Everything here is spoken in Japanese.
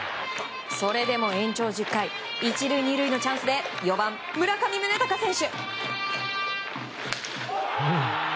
それでも延長１０回１塁２塁のチャンスで４番、村上宗隆選手。